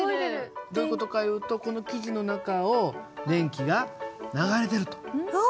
どういう事かいうとこの生地の中を電気が流れてると。